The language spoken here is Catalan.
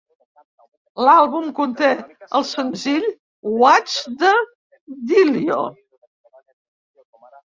L'àlbum conté el senzill "What's the Dillio?"